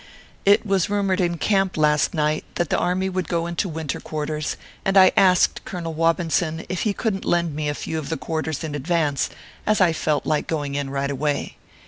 It was rumored in camp last night, that the army would go into winter quarters, and I asked Colonel Wobinson if he couldn t lend me a few of the quarters in advance, as I felt like going in right away.